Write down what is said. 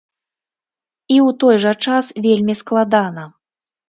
І ў той жа час вельмі складана.